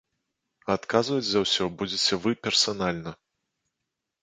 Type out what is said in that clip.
А адказваць за ўсё будзеце вы персанальна.